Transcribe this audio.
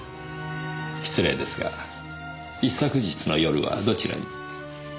失礼ですが一昨日の夜はどちらに？